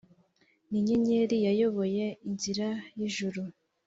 ni inyenyeri yayoboye inzira y' ljuru,